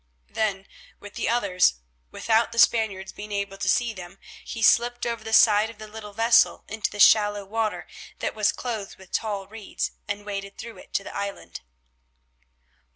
Then with the others, without the Spaniards being able to see them, he slipped over the side of the little vessel into the shallow water that was clothed with tall reeds, and waded through it to the island.